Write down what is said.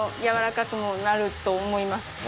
やわらかくもなると思います。